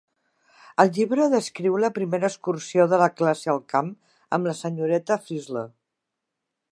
El llibre descriu la primera excursió de la classe al camp amb la senyoreta Frizzle.